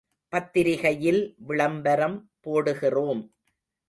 பத்திரிகையில் விளம்பரம் போடுகிறோம்.